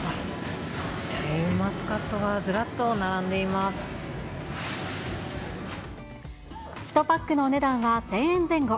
シャインマスカットがずらっ１パックのお値段は１０００円前後。